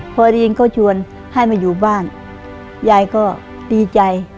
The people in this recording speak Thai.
พอได้ยินก็ชวนให้มาอยู่บ้านยายก็ดีใจ